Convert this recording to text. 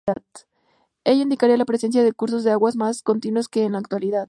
Ello indicaría la presencia de cursos de agua más continuos que en la actualidad.